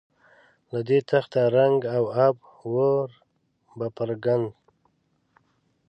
له دې تخته رنګ او آب ور بپراګند.